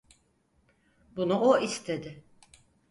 Bunu o istedi.